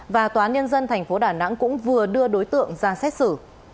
và tòa án nhân dân tp đà nẵng cũng vừa đưa đối tượng ra xét xử